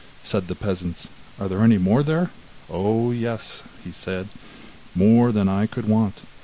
Said the peasants: 'Are there any more there?' 'Oh, yes,' said he, 'more than I could want.